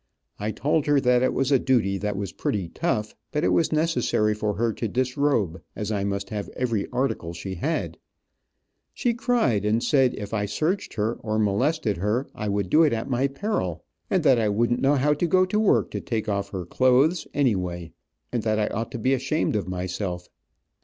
I told her that it was a duty that was pretty tough, but it was necessary for her to disrobe, as I must have every article she had. She cried, and said if I searched her, or molested her, I would do it at my peril, and that I wouldn't know how to go to work to take off her clothes, anyway, and that I ought to be ashamed of myself.